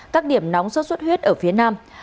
các điểm nóng suốt suốt huyết ở phía nam